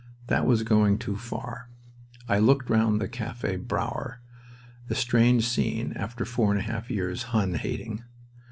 That was going too far! I looked round the Cafe Bauer a strange scene after four and a half years Hun hating.